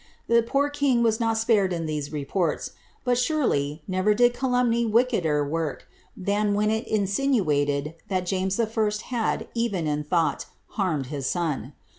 The poor king was not spared in these reports, but, surely, never did calumny wickeder work, than when it insinuated that James I. had, even in thought, harmed his son.